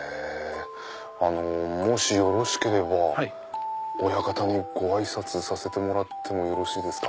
もしよろしければ親方にごあいさつさせてもらってよろしいですか？